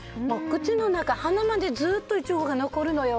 口の中、鼻までずっとイチゴが残るのよ